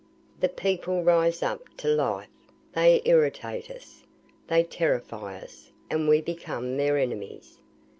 The people rise up to life; they irritate us, they terrify us, and we become their enemies.